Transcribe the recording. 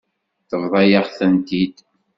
Tebḍa-yaɣ-tent-id.